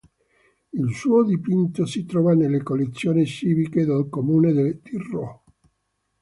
Un suo dipinto si trova nelle collezioni civiche del Comune di Rho.